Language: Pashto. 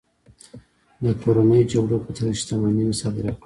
د کورنیو جګړو په ترڅ کې شتمنۍ مصادره کړل.